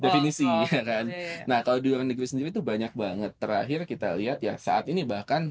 definisi nah kalau di luar negeri sendiri itu banyak banget terakhir kita lihat ya saat ini bahkan